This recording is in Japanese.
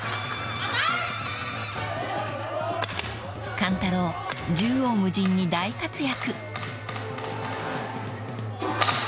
［勘太郎縦横無尽に大活躍］